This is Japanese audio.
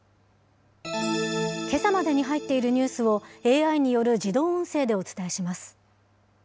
けさまでに入っているニュースを、ＡＩによる自動音声でお伝えします。